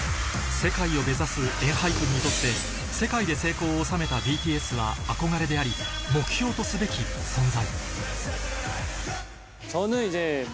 世界を目指すＥＮＨＹＰＥＮにとって世界で成功を収めたＢＴＳは憧れであり目標とすべき存在